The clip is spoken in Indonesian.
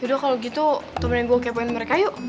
yaudah kalo gitu temenin gue kepoin mereka ayo